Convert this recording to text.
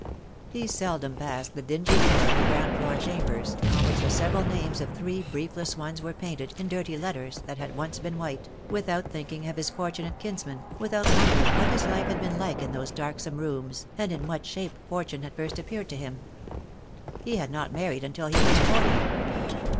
He seldom passed the dingy door of the ground floor chambers — on which the several names of three briefless ones were painted in dirty letters that had once been white — without thinking of his fortunate kinsman, without wondering what his life had been like in those darksome rooms, and in what shape fortune had first appeared to him. He had not married until he was forty.